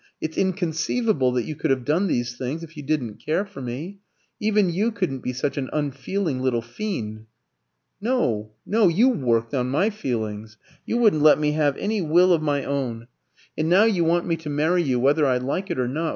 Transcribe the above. It's inconceivable that you could have done these things if you didn't care for me. Even you couldn't be such an unfeeling little fiend." "No, no; you worked on my feelings. You wouldn't let me have any will of my own. And now you want me to marry you whether I like it or not.